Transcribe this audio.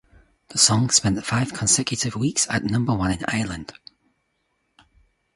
The song spent five consecutive weeks at number one in Ireland.